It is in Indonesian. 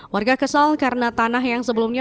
warga kesal karena tanah yang sebelumnya